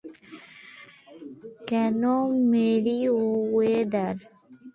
কেনো, মেরিওয়েদার?